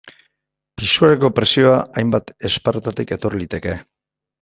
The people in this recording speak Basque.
Pisuarekiko presioa hainbat esparrutatik etor liteke.